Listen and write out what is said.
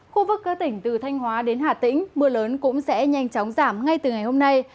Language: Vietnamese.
khu vực các tỉnh từ thanh hóa đến hà tĩnh mưa lớn cũng sẽ nhanh chóng giảm ngay từ ngày hôm nay